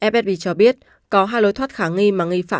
fsb cho biết có hai lối thoát kháng nghi